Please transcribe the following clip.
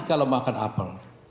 kalau makan apel